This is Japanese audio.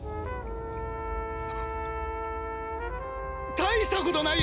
大したことないよ！